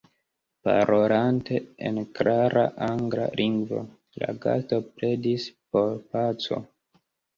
Parolante en klara angla lingvo, la gasto pledis por paco.